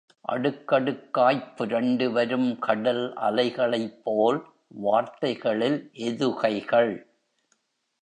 அடுக்கடுக்காய்ப் புரண்டுவரும் கடல் அலைகளைப் போல் வார்த்தைகளில் எதுகைகள்...!